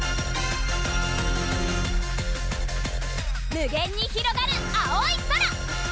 無限にひろがる青い空！